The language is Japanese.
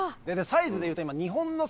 サイズでいうと今。